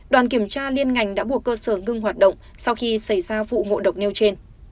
đoàn kiểm tra liên ngành đã buộc cơ sở ngưng hoạt động sau khi xảy ra vụ ngộ độc nêu trên